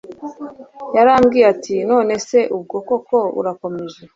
yarambwiye ati none se ubwo koko urakomeje